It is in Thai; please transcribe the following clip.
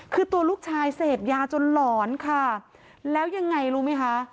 คือตัวลูกชายเสพยาจนหลอนค่ะแล้วยังไงรู้ไหมคะ